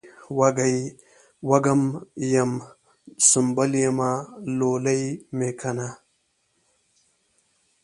وږم یم ، سنبل یمه لولی مې کنه